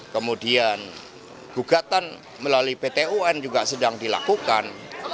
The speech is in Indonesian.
kemudian gugatan melalui pt un juga sedang dilakukan